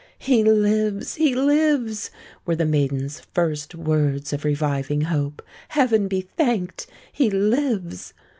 "He lives! he lives!" were the maiden's first words of reviving hope; "heaven be thanked—he lives!"